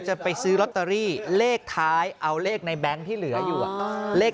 จะไปซื้อลอตเตอรี่เลขท้ายเอาเลขในแบงค์ที่เหลืออยู่เลข